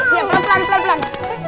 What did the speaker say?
iya pelan pelan pelan pelan